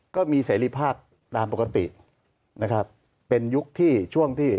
ก็มีเสรีภาพตามปกตินะครับเป็นยุคที่ช่วงที่